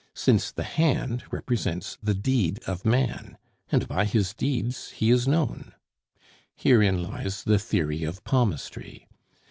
since the hand represents the deed of man, and by his deeds he is known. Herein lies the theory of palmistry.